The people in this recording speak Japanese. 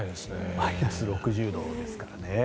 マイナス６０度ですからね。